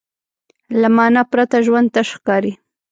له معنی پرته ژوند تش ښکاري.